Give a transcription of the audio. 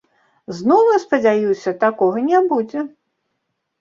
З новым, спадзяюся, такога не будзе.